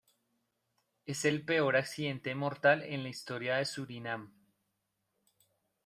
Es el peor accidente mortal en la historia de Surinam.